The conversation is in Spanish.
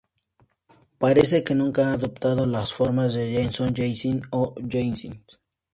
Parece que nunca ha adoptado la forma de Janson, Jansen o Janssens".